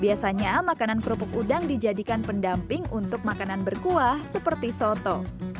biasanya makanan kerupuk udang dijadikan pendamping untuk makanan berkuah seperti soto